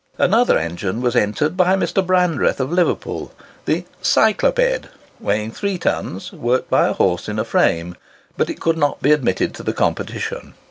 Another engine was entered by Mr. Brandreth of Liverpool—the "Cycloped," weighing 3 tons, worked by a horse in a frame, but it could not be admitted to the competition.